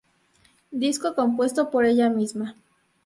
Disco compuesto por ella misma.